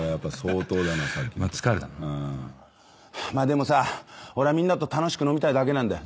でもさ俺はみんなと楽しく飲みたいだけなんだ。